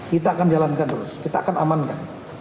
kita akan jalankan terus kita akan amankan